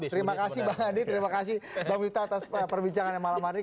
terima kasih bang andi terima kasih bang wita atas perbincangannya malam hari ini